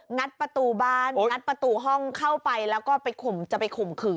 งัดประตูบ้านงัดประตูห้องเข้าไปแล้วก็ไปข่มจะไปข่มขืน